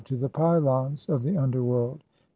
to the Pylons of the Underworld, 56.